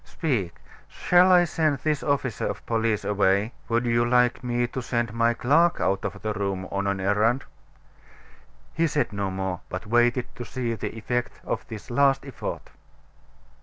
Speak, shall I send this officer of police away? Would you like me to send my clerk out of the room, on an errand?" He said no more, but waited to see the effect of this last effort.